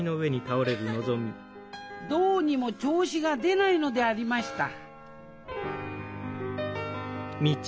どうにも調子が出ないのでありました